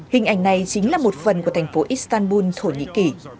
hình ảnh này chính là một phần của thành phố istanbul thổ nhĩ kỳ